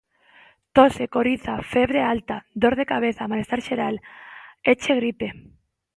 Tose, coriza, febre alta, dor de cabeza, malestar xeral... éche gripe!